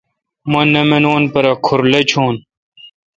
مہ نہ منوم پرہ کُھر لچھون۔